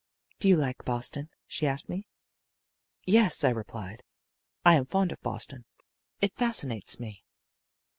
"Do you like Boston?" she asked me. "Yes," I replied; "I am fond of Boston. It fascinates me."